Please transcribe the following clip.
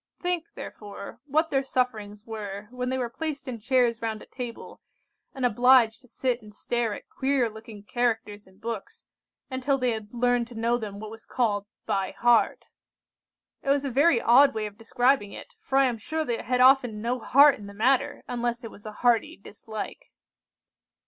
Think, therefore, what their sufferings were when they were placed in chairs round a table, and obliged to sit and stare at queer looking characters in books until they had learned to know them what was called by heart. It was a very odd way of describing it, for I am sure they had often no heart in the matter, unless it was a hearty dislike.